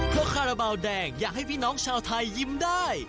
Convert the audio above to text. คาราบาลแดงอยากให้พี่น้องชาวไทยยิ้มได้